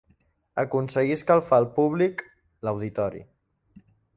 Aconseguir escalfar el públic, l'auditori.